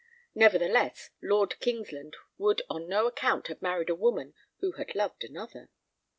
Nevertheless, Lord Kingsland would on no account have married a woman who had loved another.